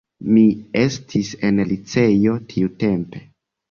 Mi estis en liceo tiutempe.